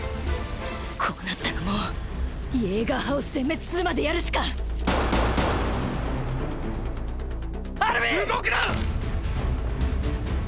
こうなったらもうイェーガー派を殲滅するまでやるしかアルミン⁉動くな！！